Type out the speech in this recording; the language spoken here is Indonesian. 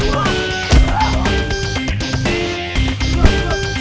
wah gila kali itu anak ya